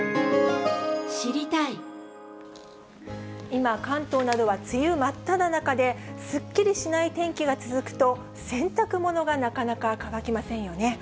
今、関東などは梅雨真っただ中で、すっきりしない天気が続くと、洗濯物がなかなか乾きませんよね。